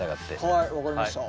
はい分かりました。